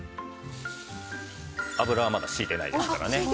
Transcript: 油はまだ引いてないですからね。